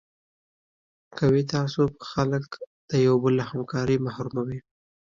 قومي تعصب خلک د یو بل له همکارۍ محروموي.